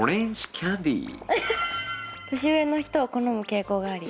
「年上の人を好む傾向があり」